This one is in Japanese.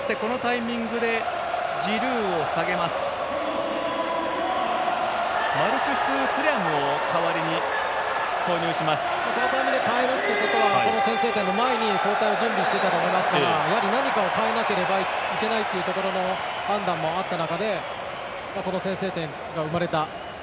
このタイミングで代えるということはこの先制点の前に交代を準備していたと思いますから何かを変えなければいけないという判断もあった中でこの先制点が生まれた。